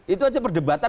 itu aja perdebatan